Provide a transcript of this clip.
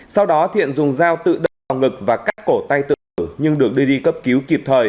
sau đó thiện dùng dao tự đâm vào ngực và cắt cổ tay tử nhưng được đưa đi cấp cứu kịp thời